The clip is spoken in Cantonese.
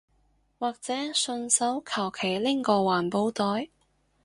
或者順手求其拎個環保袋